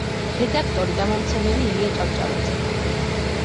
რედაქტორი-გამომცემელი ილია ჭავჭავაძე.